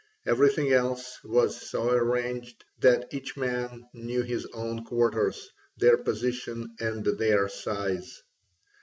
Everything else was so arranged that each man knew his own quarters, their position and their size.